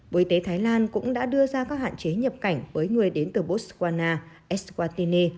bộ y tế thái lan cũng đã đưa ra các hạn chế nhập cảnh với người đến từ botswana eswattine